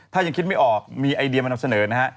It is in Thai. ถ้ายังคิดไม่ออกมีไอเดียมานำเสนอนะฮะ